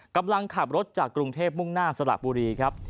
กำลังขับรถจากกรุงเทพมุ่งหน้าสละบุรีครับ